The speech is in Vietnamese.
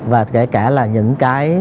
và kể cả là những cái